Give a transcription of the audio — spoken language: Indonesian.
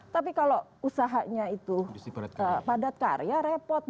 tapi kalau usahanya itu padat karya repot